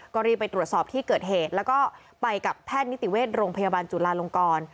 ก็รีบไปตรวจสอบที่เกิดเหตุแล้วก็ไปกับแพทย์นิติเวชโรงพยาบาลจุลาลงกร